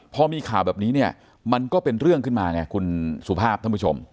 พอมีข่าวแบบนี้เนี่ยมันก็เป็นเรื่องขึ้นมาไงคุณสุภาพท่านผู้ชม